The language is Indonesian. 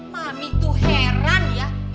mami tuh heran ya